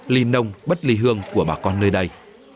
lì nông bất lì hương của bà con nơi đây